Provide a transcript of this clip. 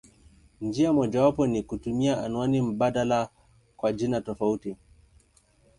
Njia mojawapo ni kutumia anwani mbadala kwa jina tofauti.